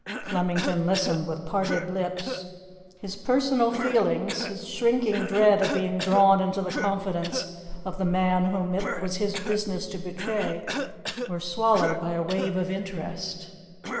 Flemington listened with parted lips. His personal feelings, his shrinking dread of being drawn into the confidence of the man whom it was his business to betray, were swallowed by a wave of interest.